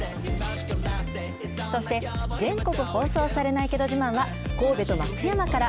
そして、全国放送されないけど自慢は、神戸と松山から。